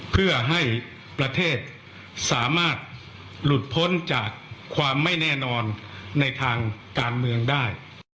เพื่อให้ประเทศสามารถหลุดพ้นจากความไม่แน่นอนในทางการเมืองได้